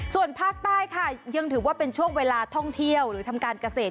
ส่วนภาคใต้ค่ะยังถือว่าเป็นช่วงเวลาท่องเที่ยวหรือทำการเกษตร